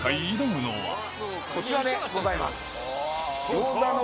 こちらでございます。